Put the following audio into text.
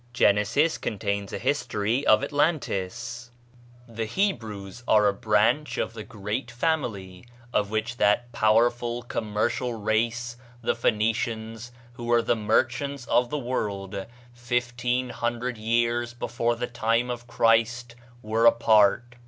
GENESIS CONTAINS A HISTORY OF ATLANTIS The Hebrews are a branch of the great family of which that powerful commercial race, the Phoenicians, who were the merchants of the world fifteen hundred years before the time of Christ, were a part.